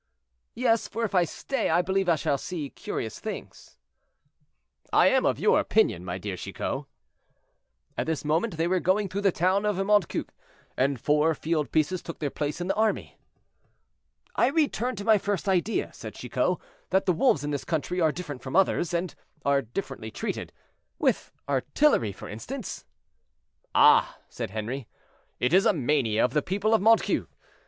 "Yes; for if I stay, I believe I shall see curious things." "I am of your opinion, my dear Chicot." At this moment they were going through the town of Montcuq, and four field pieces took their place in the army. "I return to my first idea," said Chicot, "that the wolves in this country are different from others, and are differently treated; with artillery, for instance." "Ah!" said Henri, "it is a mania of the people of Montcuq.